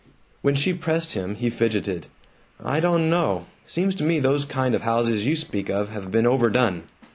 When she pressed him he fidgeted, "I don't know; seems to me those kind of houses you speak of have been overdone."